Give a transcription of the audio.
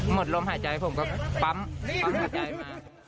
หมดลมหายใจผมก็ปั๊มปั๊มหัวใจมา